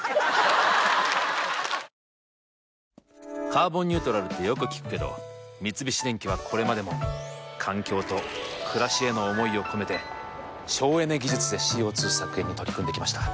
「カーボンニュートラル」ってよく聞くけど三菱電機はこれまでも環境と暮らしへの思いを込めて省エネ技術でＣＯ２削減に取り組んできました。